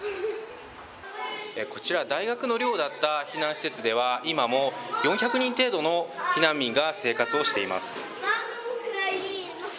こちら、大学の寮だった避難施設では、今も４００人程度の避難民が生活をしています。